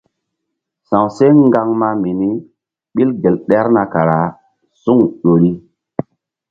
Sa̧w seh ŋgaŋma mini ɓil gel ɗerna kara suŋ ƴo ri.